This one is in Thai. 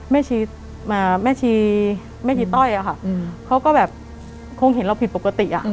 แม่ชีแม่ชีต้อยอะค่ะเขาก็แบบคงเห็นเราผิดปกติ